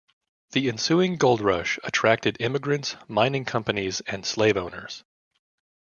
The ensuing gold rush attracted immigrants, mining companies and slave owners.